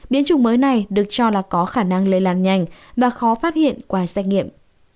biến chủng mới này được cho là có khả năng lây lan nhanh và khó phát hiện qua xét nghiệm